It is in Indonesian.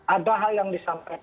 ada hal yang disampaikan tadi dan